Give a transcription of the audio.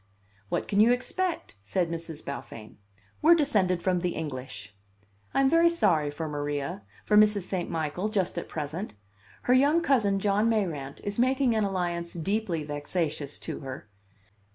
'What can you expect?' said Miss Beaufain; 'we're descended from the English.' I am very sorry for Maria for Mrs. St. Michael just at present. Her young cousin, John Mayrant, is making an alliance deeply vexatious to her.